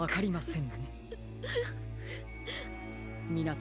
ん。